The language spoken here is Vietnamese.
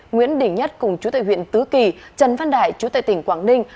nguyễn đỉnh nhất cùng chú tài huyện tứ kỳ trần văn đại chú tài tỉnh quảng ninh